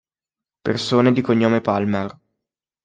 Persone di cognome Palmer